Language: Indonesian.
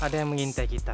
ada yang mengintai kita